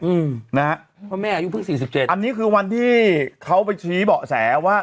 อืมนะฮะเพราะแม่อายุเพิ่งสี่สิบเจ็ดอันนี้คือวันที่เขาไปชี้เบาะแสว่า